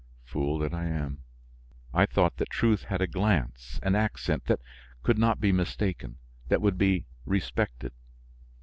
Fool that I am! I thought that truth had a glance, an accent, that could not be mistaken, that would be respected!